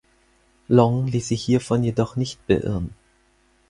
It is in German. Long ließ sich hiervon jedoch nicht beirren.